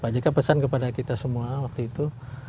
pak jk pesan kepada kita semua waktu itu